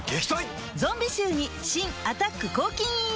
ゾンビ臭に新「アタック抗菌ＥＸ」